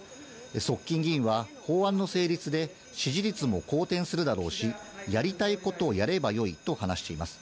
側近議員は、法案の成立で支持率も好転するだろうし、やりたいことをやればよいと話しています。